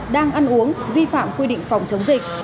đang ăn uống vi phạm quy định phòng chống dịch